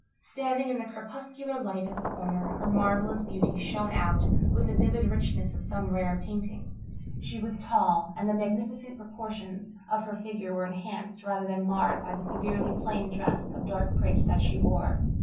Standing in the crepuscular light of the corner, her marvellous beauty shone out with the vivid richness of some rare painting. She was tall, and the magnificent proportions of her figure were enhanced rather than marred by the severely plain dress of dark print that she wore.